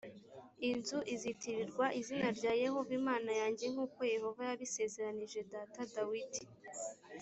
inzu izitirirwa izina rya yehova imana yanjye nk uko yehova yabisezeranyije data dawidi